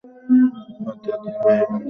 তার তিন ভাই ছিল, তারা হলেন মরিস, ডেভিড ও জ্যাক।